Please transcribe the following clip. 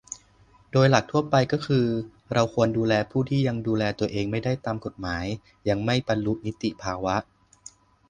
โดยหลักทั่วไปก็คือ เราควรดูแลผู้ที่ยังดูแลตัวเองไม่ได้ตามกฎหมาย ยังไม่บรรลุนิติภาวะ